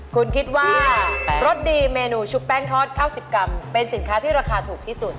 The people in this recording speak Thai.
คุณคิดว่ารสดีเมนูชุบแป้งทอด๙๐กรัมเป็นสินค้าที่ราคาถูกที่สุด